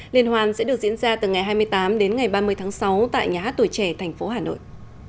liên hoan sẽ được diễn ra từ ngày hai mươi tám đến ngày ba mươi tháng sáu tại nhà hát tuổi trẻ thành phố hà nội